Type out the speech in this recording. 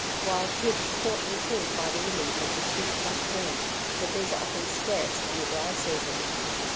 Wild pigs caught and killed by the women make the chief flesh food, but these are often scarce in the dry season.